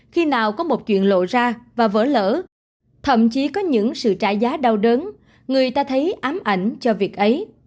khi nào có một chuyện lộ ra và vỡ lỡ thậm chí có những sự trả giá đau đớn người ta thấy ám ảnh cho việc ấy